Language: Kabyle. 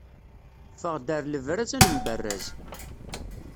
Ffeɣ-d ar lebraz, ad nemberraz!